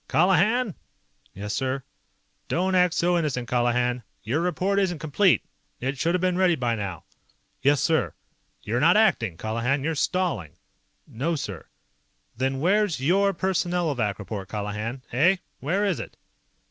"Colihan!" "Yes, sir?" "Don't act so innocent, Colihan. Your report isn't complete. It should have been ready by now." "Yes, sir!" "You're not ACTING, Colihan. You're stalling!" "No, sir." "Then where's your Personnelovac report, Colihan? Eh? Where is it?"